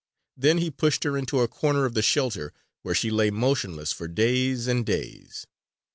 Then he pushed her into a corner of the shelter, where she lay motionless for days and days.